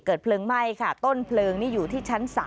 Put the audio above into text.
เพลิงไหม้ค่ะต้นเพลิงนี่อยู่ที่ชั้น๓